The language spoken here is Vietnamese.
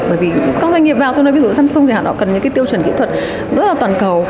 bởi vì các doanh nghiệp vào tôi nói ví dụ samsung thì họ cần những cái tiêu chuẩn kỹ thuật rất là toàn cầu